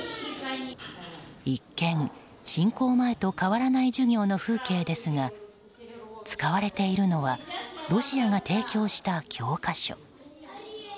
一見、侵攻前と変わらない授業の風景ですが使われているのはロシアが提供した教科書。